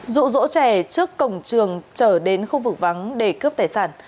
dụ dỗ trẻ trước cổng trường trở đến khu vực vắng để cướp tài sản